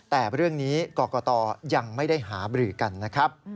แต่เรื่องนี้กรกตยังไม่ได้หาบรือกันนะครับ